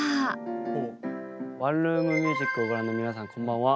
「ワンルーム☆ミュージック」をご覧の皆さんこんばんは。